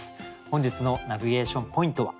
本日のナビゲーション・ポイントは？